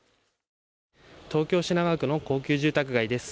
東京品川区の高級住宅街です。